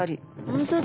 本当だ。